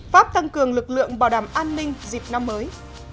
pháp tăng cường lực lượng bảo đảm an ninh dịp năm mới